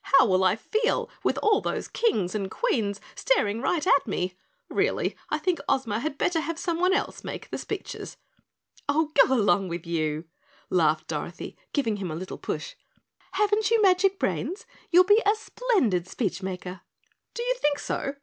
"How will I feel with all those Kings and Queens staring right at me? Really, I think Ozma had better have someone else make the speeches." "Oh, go along with you," laughed Dorothy, giving him a little push. "Haven't you magic brains? You'll be a splendid speechmaker." "Do you think so?